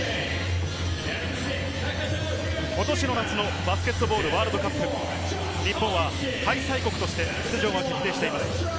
今年の夏のバスケットボールワールドカップ、日本は開催国として、出場が決定しています。